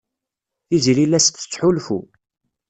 Tiziri la as-tettḥulfu.